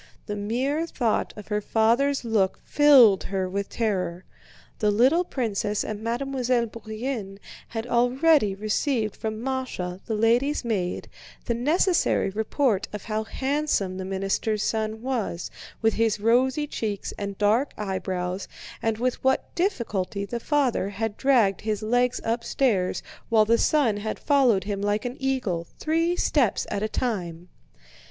The mere thought of her father's look filled her with terror. The little princess and Mademoiselle Bourienne had already received from Másha, the lady's maid, the necessary report of how handsome the minister's son was, with his rosy cheeks and dark eyebrows, and with what difficulty the father had dragged his legs upstairs while the son had followed him like an eagle, three steps at a time.